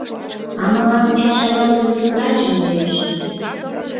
А мылам, эн шагал гын, врачым верешт.